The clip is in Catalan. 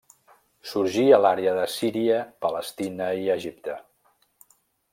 Sorgí a l'àrea de Síria, Palestina i Egipte.